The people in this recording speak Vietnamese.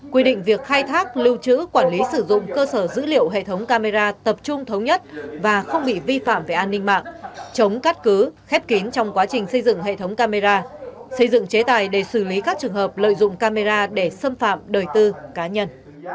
quy định việc khai thác lưu trữ quản lý sử dụng cơ sở dữ liệu hệ thống camera tập trung thống nhất và không bị vi phạm về an ninh mạng chống cắt cứ khép kín trong quá trình xây dựng hệ thống camera xây dựng chế tài để xử lý các trường hợp lợi dụng camera để xâm phạm đời tư cá nhân